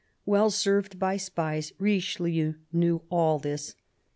Well served by spies, Richelieu knew all this.